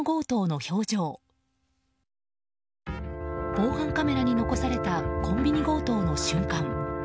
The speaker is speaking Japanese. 防犯カメラに残されたコンビニ強盗の瞬間。